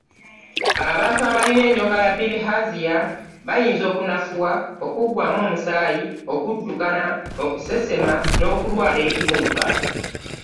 Abantu abalina enjoka za Bilihaazia bayinza okunafuwa, okuggwaamu omusaayi, okuddukana, okusesema, n’okulwala ekibumba.